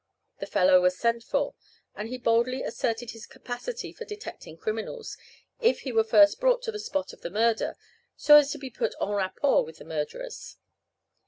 The fellow was sent for, and he boldly asserted his capacity for detecting criminals, if he were first brought to the spot of the murder, so as to be put en rapport with the murderers.